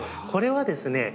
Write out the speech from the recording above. これはですね